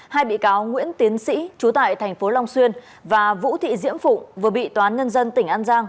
hai bị cáo nguyễn tiến sĩ chú tại thành phố long xuyên và vũ thị diễm phụng vừa bị toán nhân dân tỉnh an giang